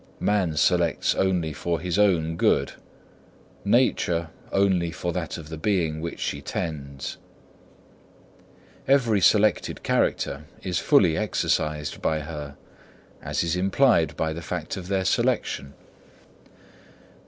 Man selects only for his own good; Nature only for that of the being which she tends. Every selected character is fully exercised by her, as is implied by the fact of their selection.